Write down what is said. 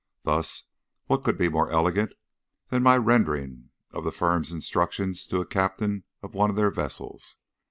Thus what could be more elegant than my rendering of the firm's instructions to the captain of one of their vessels.